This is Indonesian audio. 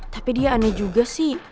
tapi dia aneh juga sih